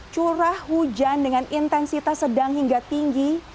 curah hujan dengan intensitas sedang hingga tinggi